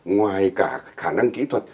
ngoài cả khả năng kỹ thuật